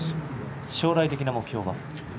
将来的な目標は？